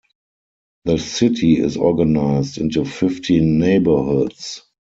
The city is organized into fifteen neighbourhoods.